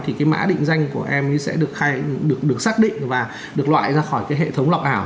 thì cái mã định danh của em ấy sẽ được xác định và được loại ra khỏi cái hệ thống lọc ảo